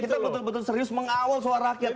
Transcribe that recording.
kita betul betul serius mengawal soal rakyat